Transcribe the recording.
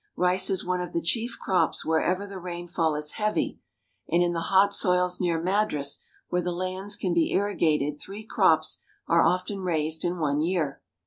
Rice is one of the chief crops wherever the rainfall is heavy; and in the hot soils near Madras where the lands can be irri gated three crops are often raised in one year.